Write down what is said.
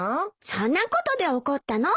そんなことで怒ったの？